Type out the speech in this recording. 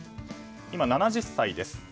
今、７０歳です。